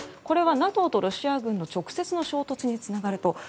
これはＮＡＴＯとロシア軍の直接の衝突につながると。